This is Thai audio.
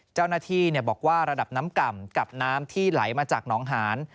เจ้าหน้าที่บอกว่าระดับน้ำก่ำกับน้ำที่ไหลมาจากหนองหาน